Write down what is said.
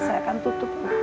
saya akan tutup